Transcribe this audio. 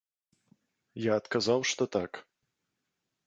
Я адказаў, што так.